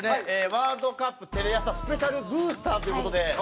ワールドカップテレ朝ＳＰブースターという事で。